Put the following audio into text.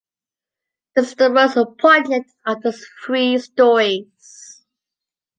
This is the most poignant of the three stories.